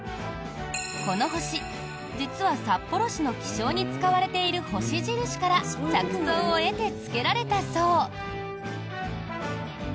この星、実は札幌市の記章に使われている星印から着想を得て、つけられたそう。